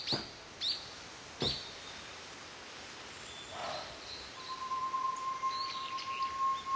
はあ。